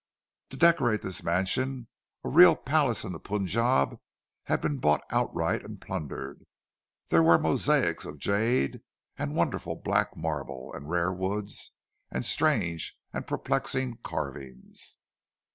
To decorate this mansion a real palace in the Punjab had been bought outright and plundered; there were mosaics of jade, and wonderful black marble, and rare woods, and strange and perplexing carvings.